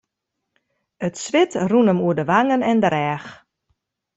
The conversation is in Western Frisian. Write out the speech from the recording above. It swit rûn him oer de wangen en de rêch.